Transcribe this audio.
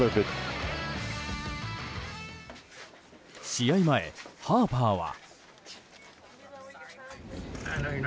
試合前、ハーパーは。